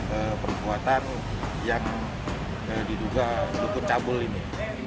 ini adalah perbuatan yang diduga lukut cabul ini